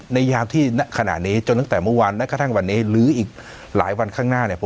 ยามที่ณขณะนี้จนตั้งแต่เมื่อวานและกระทั่งวันนี้หรืออีกหลายวันข้างหน้าเนี่ย